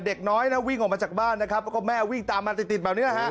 เด็กน้อยนะวิ่งออกมาจากบ้านนะครับแล้วก็แม่วิ่งตามมาติดแบบนี้นะฮะ